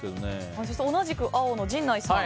そして、同じく青の陣内さん。